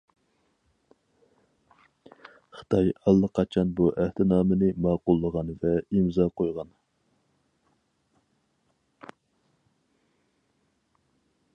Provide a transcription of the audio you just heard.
خىتاي ئاللىقاچان بۇ ئەھدىنامىنى ماقۇللىغان ۋە ئىمزا قويغان.